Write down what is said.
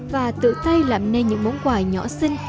và tự tay làm nên những món quà nhỏ xinh